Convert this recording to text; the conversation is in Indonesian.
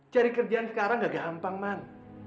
cari kerjaan sekarang gak gampang man